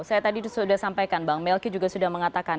saya tadi sudah sampaikan bang melki juga sudah mengatakan